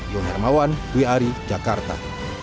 yoh hermawan wiari jakarta